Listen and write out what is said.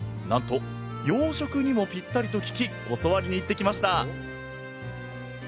なんと洋食にもピッタリと聞き教わりに行ってきました